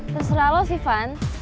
terserah lo sih van